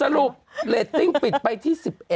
สรุปเรตติ้งปิดไปที่๑๑